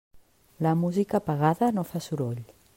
La música pagada no fa soroll.